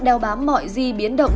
đeo bám mọi di biến động